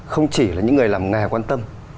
không chỉ là những người làm nghề quan tâm